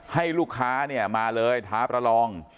ให้ลูกค้ามาเลยท้าประลอง